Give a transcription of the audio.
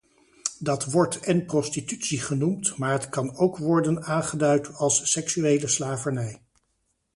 Dat wordt en prostitutie genoemd, maar het kan ook worden aangeduid als seksuele slavernij.